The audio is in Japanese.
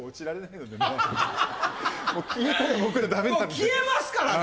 消えますからね